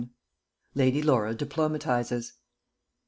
LADY LAURA DIPLOMATISES.